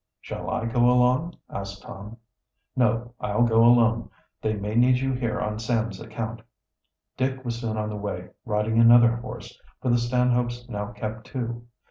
"Shall I go along?" asked Tom. "No, I'll go alone. They may need you here on Sam's account." Dick was soon on the way, riding another horse, for the Stanhopes now kept two.